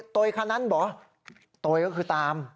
โตยคันนั้นเหรอโตยก็คือตาม